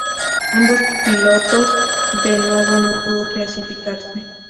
Ambos pilotos de nuevo no pudo clasificarse.